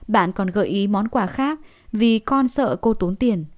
bạn còn gợi ý món quà khác vì con sợ cô tốn tiền